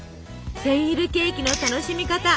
センイルケーキの楽しみ方。